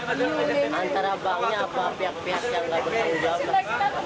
antara banknya apa pihak pihak yang tidak bertanggung jawab